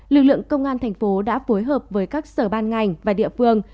lực lượng công an thành phố đã phối hợp với các sở ban ngành và địa phương